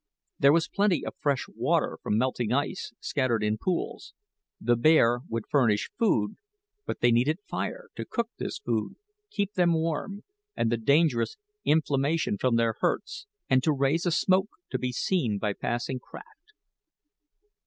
There was plenty of fresh water from melting ice, scattered in pools. The bear would furnish food; but they needed fire, to cook this food, keep them warm, and the dangerous inflammation from their hurts, and to raise a smoke to be seen by passing craft.